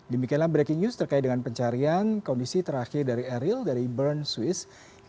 demikianlah breaking news terkait dengan pencarian kondisi terakhir dari eril dari bern swiss